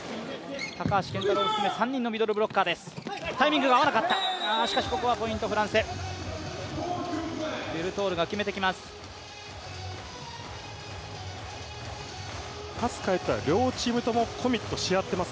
高橋健太郎を含め３人のミドルブロッカーです。